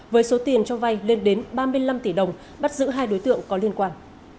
với số tiền cho vai lên đến ba mươi năm tỷ đồng bắt giữ hai đối tượng có liên quan